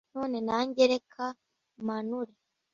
None nanjye reka mpanure